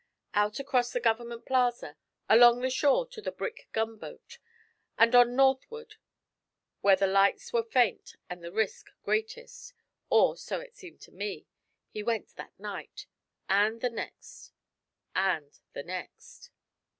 Out across the Government Plaza, along the shore to the brick gunboat, and on northward where the lights were faint and the risk greatest, or so it seemed to me, he went that night, and the next, and the next.